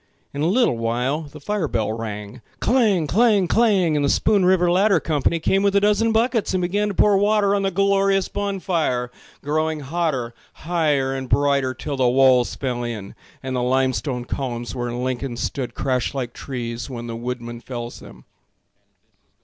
In a little while the fire bell rang— Clang! Clang! Clang! And the Spoon River ladder company Came with a dozen buckets and began to pour water On the glorious bon fire, growing hotter Higher and brighter, till the walls fell in And the limestone columns where Lincoln stood Crashed like trees when the woodman fells them.